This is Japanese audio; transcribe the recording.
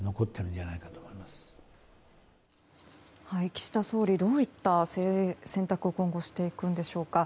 岸田総理どういった選択を今後していくのでしょうか。